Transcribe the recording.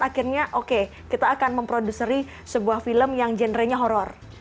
akhirnya oke kita akan memproduseri sebuah film yang genre nya horror